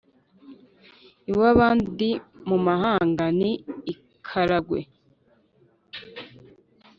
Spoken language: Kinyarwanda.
Iw’abandi: mu mahanga. Ni i Karagwe.